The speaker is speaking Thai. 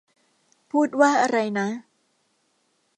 พูดว่าอะไรนะ ?